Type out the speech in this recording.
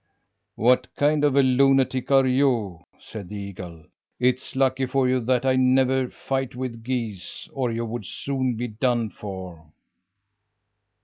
"What kind of a lunatic are you?" said the eagle. "It's lucky for you that I never fight with geese, or you would soon be done for!"